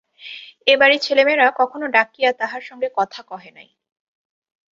এ বাড়ির ছেলেমেয়েরা কখনও ডাকিয়া তাহার সঙ্গে কথা কহে নাই।